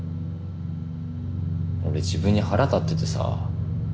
俺自分に腹立っててさ。